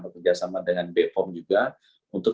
bekerjasama dengan bepom juga untuk